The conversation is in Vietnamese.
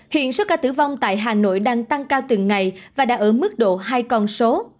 hiện số ca tử vong tại hà nội đang tăng cao từng ngày và đã ở mức độ hai con số